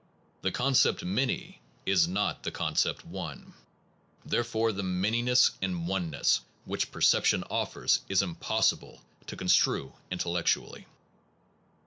The concept many is not the concept one ; therefore the manyness in oneness which per ception offers is impossible to construe intel lectually.